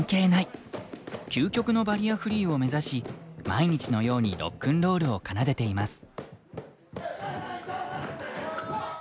究極のバリアフリーを目指し毎日のようにロックンロールを奏でています。